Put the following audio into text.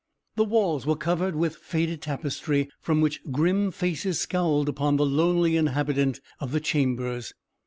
The walls were covered with faded tapestry, from which grim faces scowled upon the lonely inhabitant of the chambers.